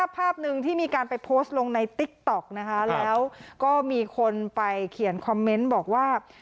ภาพหนึ่งที่มีการไปโพสต์ลงในติ๊กต๊อกนะคะแล้วก็มีคนไปเขียนคอมเมนต์บอกว่า